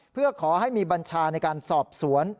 เพื่อขอให้มีบัญชาในการสอบสวน